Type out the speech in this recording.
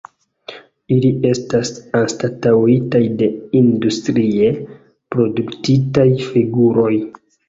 Ili estas anstataŭitaj de industrie produktitaj figuroj.